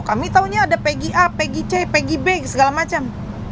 kami tahunya ada peggy a peggy c peggy b segala macam